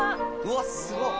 うわっすごっ。